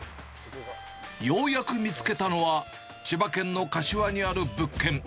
ようやく見つけたのは、千葉県の柏にある物件。